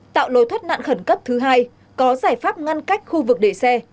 tạo lối thoát nạn khẩn cấp thứ hai có giải pháp ngăn cách khu vực để xe